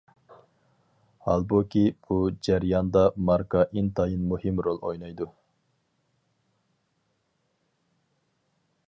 ھالبۇكى، بۇ جەرياندا ماركا ئىنتايىن مۇھىم رول ئوينايدۇ.